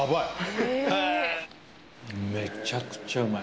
めちゃくちゃうまい。